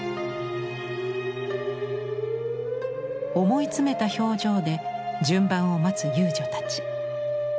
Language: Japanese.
思い詰めた表情で順番を待つ遊女たち。